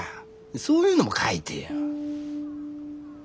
そういうのも書いてよ。